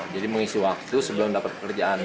jadi mengisi waktu sebelum dapat pekerjaan gitu